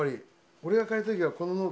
俺が借りた時はこのノート。